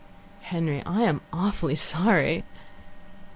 "Henry, I am awfully sorry."